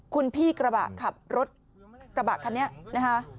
คุณพี่กระบะขับรถกระบะคันนี้นะคะ